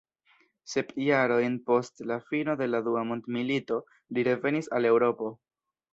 Sep jarojn post la fino de la dua mondmilito li revenis al Eŭropo.